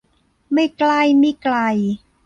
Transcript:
ไม่ใกล้ไม่ไกล